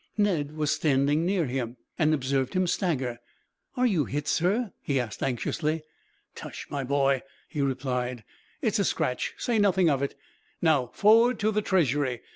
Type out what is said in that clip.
Ned was standing near him, and observed him stagger. "Are you hit, sir?" he asked anxiously. "Tush, my boy," he replied, "it is a scratch; say nothing of it. "Now, forward to the Treasury.